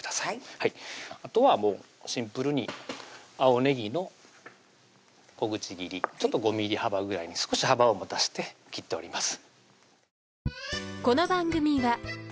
はいあとはシンプルに青ねぎの小口切り５ｍｍ幅ぐらいに少し幅を持たして切っております